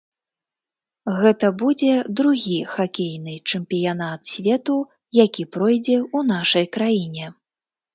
Гэта будзе другі хакейны чэмпіянат свету, які пройдзе ў нашай краіне.